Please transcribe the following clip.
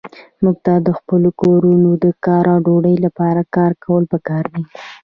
موږ ته د خپلو کورونو، کار او ډوډۍ لپاره کار کول پکار دي.